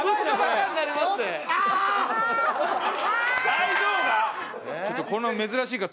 大丈夫か？